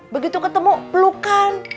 begitu ketemu pelukan